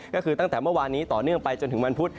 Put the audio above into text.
ก็คือตั้งแต่เมื่อวานนี้ต่อเนื่องไปจนถึงวันพุธ